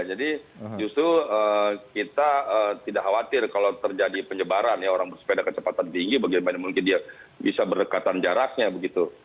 jadi justru kita tidak khawatir kalau terjadi penyebaran ya orang bersepeda kecepatan tinggi bagaimana mungkin dia bisa berdekatan jaraknya begitu